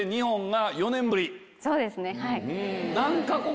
そうですね。